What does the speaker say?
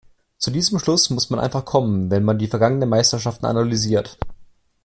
Zu diesem Schluss muss man einfach kommen, wenn man die vergangenen Meisterschaften analysiert.